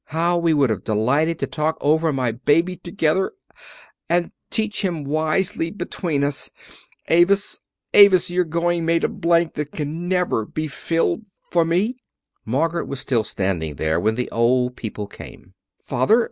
How we would have delighted to talk over my baby together, and teach him wisely between us! Avis, Avis, your going made a blank that can never be filled for me!" Margaret was still standing there when the old people came. "Father!